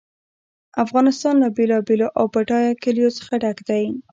افغانستان له بېلابېلو او بډایه کلیو څخه ډک دی.